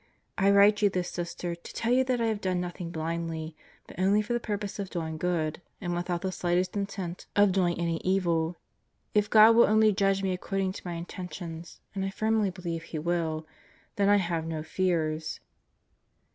I write you this, Sister, to tell you that I have done nothing blindly, but only for the purpose of doing good and without the slightest intent of doing any 156 God Goes to Murderer's Row evil. If God will only judge me according to my intentions and I firmly believe He will then I have no fears